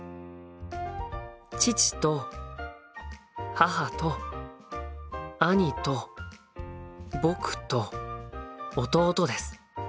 父と母と兄と僕と弟です。